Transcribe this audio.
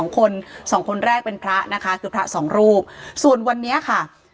คนสองคนแรกเป็นพระนะคะคือพระสองรูปส่วนวันนี้ค่ะ